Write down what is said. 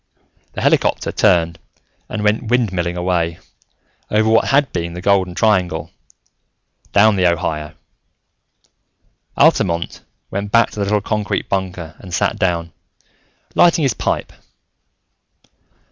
The helicopter turned and went windmilling away, over what had been the Golden Triangle, down the Ohio. Altamont went back to the little concrete bunker and sat down, lighting his pipe.